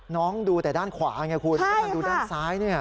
น้องดูแต่ด้านขวาไงคุณแต่ด้านซ้ายนี่